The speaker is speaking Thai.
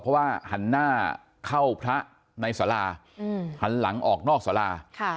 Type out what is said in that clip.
เพราะว่าหันหน้าเข้าพระในสาราหันหลังออกนอกสารา